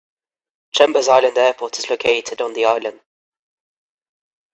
Chambers Island Airport is located on the island.